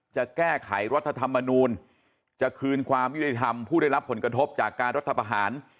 จะแก้ไขรัฐธรรมนูลจะคืนความยุติธรรมผู้ได้รับผลกระทบจากการรัฐประหาร